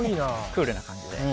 クールな感じで。